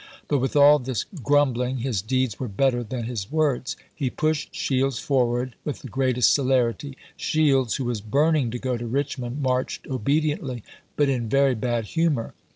But with all this p^ 221. " grumbling his deeds were better than his words ; he pushed Shields forward with the greatest celerity. Shields, who was burning to go to Eichmond, marched obediently, but in very bad humor.